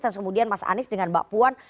terus kemudian mas anies dengan mbak puan